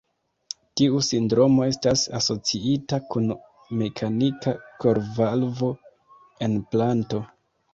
Tiu sindromo estas asociita kun mekanika korvalvo-enplanto.